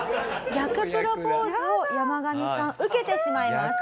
逆プロポーズをヤマガミさん受けてしまいます。